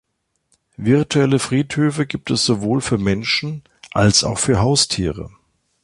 Virtuelle Friedhöfe gibt es sowohl für Menschen, als auch für Haustiere.